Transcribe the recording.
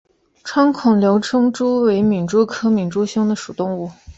穿孔瘤胸蛛为皿蛛科瘤胸蛛属的动物。